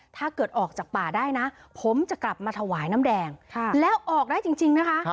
ถ้าเกิดออกจากป่าได้นะผมจะกลับมาถวายน้ำแดงแล้วออกได้จริงนะคะ